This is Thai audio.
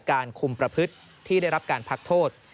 การคุมประพฤติที่ได้รับการพักโทษ